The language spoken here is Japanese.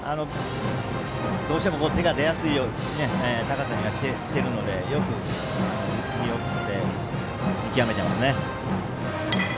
どうしても、手が出やすい高さにはきているのでよく見送って見極めていますね。